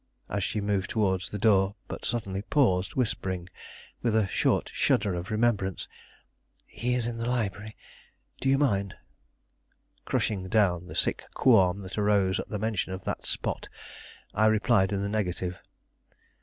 and she moved towards the door; but suddenly paused, whispering, with a short shudder of remembrance: "He is in the library; do you mind?" Crushing down the sick qualm that arose at the mention of that spot, I replied in the negative.